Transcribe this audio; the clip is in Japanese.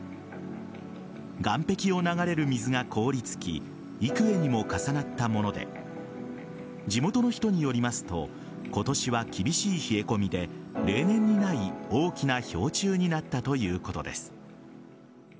岸壁を流れる水が凍りつき幾重にも重なったもので地元の人によりますと今年は厳しい冷え込みで例年にない、大きな氷柱になったということです。